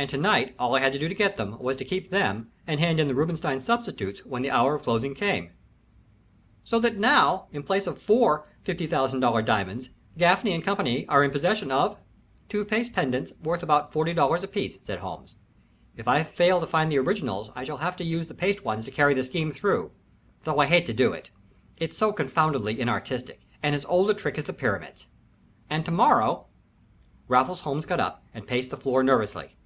And to night all I had to do to get them was to keep them and hand in the Robinstein substitutes when the hour of closing came." "So that now, in place of four $50,000 diamonds, Gaffany & Co. are in possession of " "Two paste pendants, worth about $40 apiece," said Holmes. "If I fail to find the originals I shall have to use the paste ones to carry the scheme through, but I hate to do it. It's so confoundly inartistic and as old a trick as the pyramids." "And to morrow " Raffles Holmes got up and paced the floor nervously.